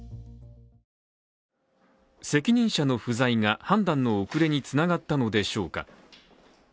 責任者の不在が判断の遅れにつながったのでしょうか。